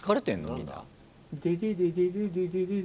何だ？